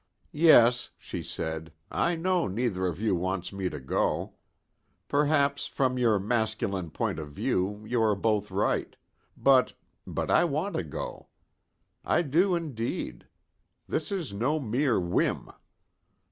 "Yes," she said, "I know neither of you wants me to go. Perhaps, from your masculine point of view, you are both right. But but I want to go. I do indeed. This is no mere whim.